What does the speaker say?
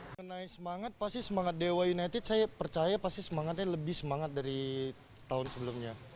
mengenai semangat pasti semangat dewa united saya percaya pasti semangatnya lebih semangat dari tahun sebelumnya